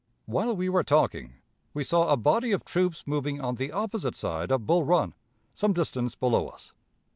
While we were talking, we saw a body of troops moving on the opposite side of Bull Run, some distance below us.